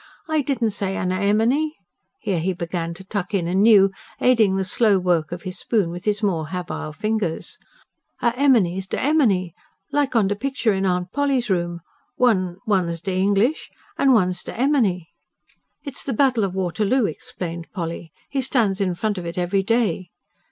"I didn't say anner emeny." Here, he began to tuck in anew, aiding the slow work of his spoon with his more habile fingers. "A emeny's d emeny. Like on de pickshur in Aunt Polly's room. One ... one's de English, an' one's de emeny." "It's the Battle of Waterloo," explained Polly. "He stands in front of it every day."